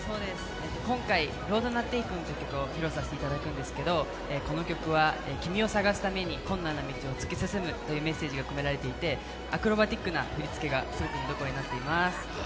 今回、「ＲｏａｄＮｏｔＴａｋｅｎ」という曲を披露させていただくんですけどこの曲は、君を探すために困難な道を突き進むというメッセージが込められていてアクロバティックな振り付けが、すごく見どころになっています。